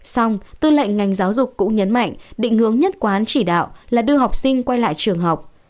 xong tư lệnh ngành giáo dục cũng nhấn mạnh định hướng nhất quán chỉ đạo là đưa học sinh quay lại trường học